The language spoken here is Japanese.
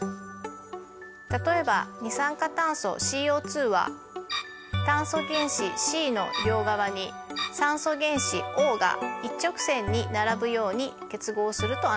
例えば二酸化炭素ＣＯは炭素原子Ｃの両側に酸素原子Ｏが一直線に並ぶように結合すると安定します。